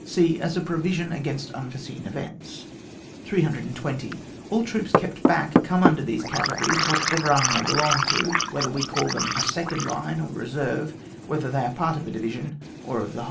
{c) As a provision against unforeseen events. 320. All troops kept back come under these categories whatever arm they be long to, whether we call them a second line or reserve, whether they are part of a division, or of tlie whole.